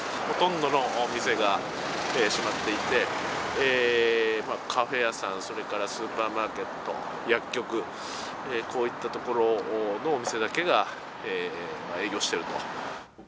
ほとんどの店が閉まっていて、カフェ屋さん、それからスーパーマーケット、薬局、こういった所のお店だけが営業していると。